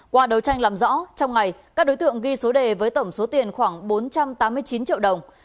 qua đấu tranh làm rõ trong ngày các đối tượng ghi số đề với tổng số tiền khoảng bốn trăm tám mươi chín triệu đồng